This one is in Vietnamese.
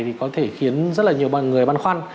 thì có thể khiến rất là nhiều người băn khoăn